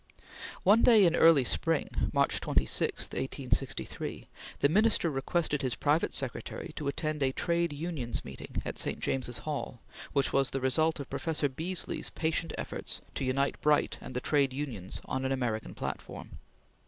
One day in early spring, March 26, 1863, the Minister requested his private secretary to attend a Trades Union Meeting at St. James's Hall, which was the result of Professor Beesly's patient efforts to unite Bright and the Trades Unions on an American platform.